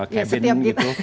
cabin gitu setiap kita